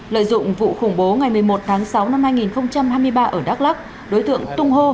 lợi dụng vụ khủng bố ngày một mươi một tháng sáu năm hai nghìn hai mươi ba ở đắk lắc đối tượng tung hô